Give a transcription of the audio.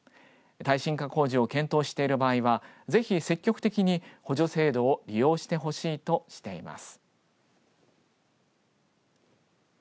耐震化工事を検討している場合はぜひ積極的に補助制度を利用してほしいとしています。